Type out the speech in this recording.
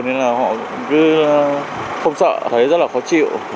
nên là họ cứ không sợ thấy rất là khó chịu